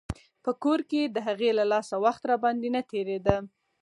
په کور کښې د هغې له لاسه وخت راباندې نه تېرېده.